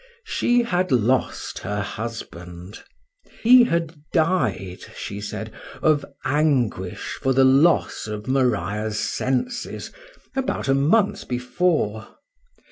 —She had lost her husband; he had died, she said, of anguish, for the loss of Maria's senses, about a month before.